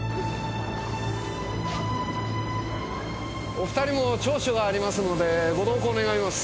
お２人も聴取がありますのでご同行願います。